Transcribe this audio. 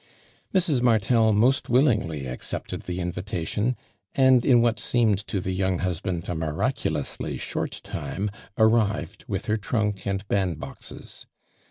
Mrs. Mai tel most willingly accepted the invitation, and in what seemed to the young husband a mira<>.ulously short time, arrived with her trunk and bandboxes.